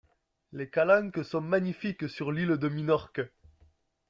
Les calanques sont magnifiques sur l'île de Minorque.